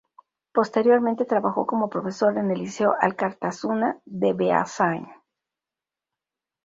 Posteriormente trabajó como profesor en el liceo Alkartasuna de Beasáin.